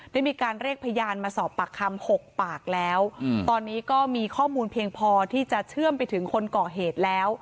ได้มีการเรียกพยานมาสอบปากคำ๖ปากแล้วตอนนี้ก็มีข้อมูลเพียงพอที่จะเชื่อมไปถึงคนก่อเหตุแล้ว